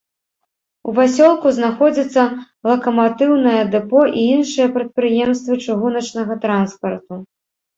У пасёлку знаходзіцца лакаматыўнае дэпо і іншыя прадпрыемствы чыгуначнага транспарту.